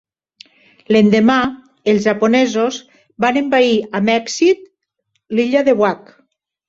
L'endemà, els japonesos van envair amb èxit l'illa de Wake.